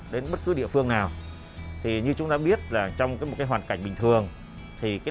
đến bất cứ địa phương nào thì như chúng ta biết là trong cái một cái hoàn cảnh bình thường thì cái